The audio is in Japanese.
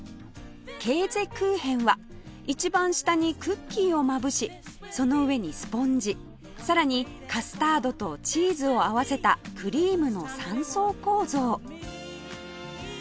ケーゼクーヘンは一番下にクッキーをまぶしその上にスポンジさらにカスタードとチーズを合わせたクリームの３層構造